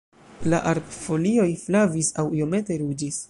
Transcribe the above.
La arbfolioj flavis aŭ iomete ruĝis.